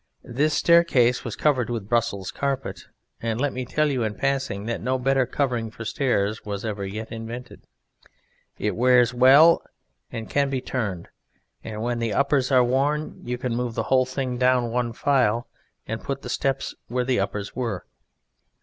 This staircase was covered with Brussels carpet (and let me tell you in passing that no better covering for stairs was ever yet invented; it wears well and can be turned, and when the uppers are worn you can move the whole thing down one file and put the steps where the uppers were.